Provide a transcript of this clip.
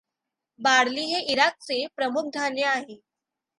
Barley हे इराकचे प्रमुख धान्य आहे.